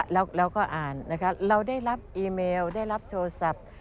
เราก็อ่านนะคะเราได้รับอีเมลได้รับโทรศัพท์